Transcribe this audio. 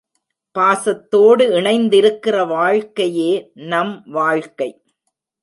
பாசத்தோடு இணைந்திருக்கிற வாழ்க்கையே நம் வாழ்க்கை.